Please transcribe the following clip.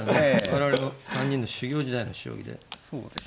我々の３人の修業時代の将棋で。